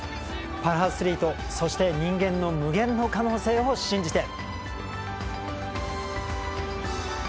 パラアスリートそして人間の無限の可能性を信じて。